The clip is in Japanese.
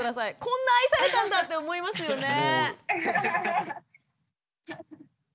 こんな愛されたんだって思いますよね。